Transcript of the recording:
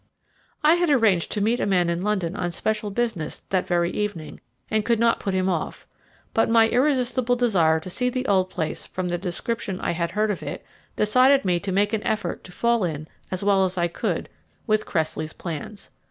I had arranged to meet a man in London on special business that very evening, and could not put him off; but my irresistible desire to see the old place from the description I had heard of it decided me to make an effort to fall in as well as I could with Cressley's plans.